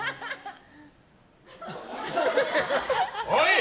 おい！